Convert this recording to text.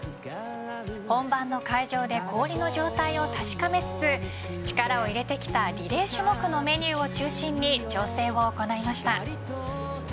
本番の会場で氷の状態を確かめつつ力を入れてきたリレー種目のメニューを中心に調整を行いました。